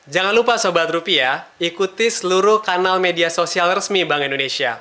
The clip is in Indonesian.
jangan lupa sobat rupiah ikuti seluruh kanal media sosial resmi bank indonesia